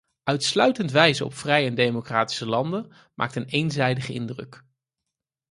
Uitsluitend wijzen op vrije en democratische landen maakt een eenzijdige indruk.